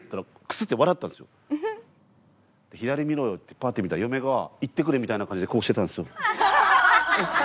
「左見ろよ」ってパッて見たら嫁が「行ってくれ」みたいな感じでこうしてたんですよ。